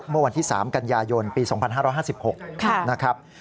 เมื่อวันที่๓กันยายนปี๒๕๕๖นะครับ